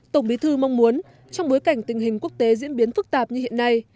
tổng bí thư mong muốn trong bối cảnh tình hình quốc tế diễn biến phức tạp như hiện nay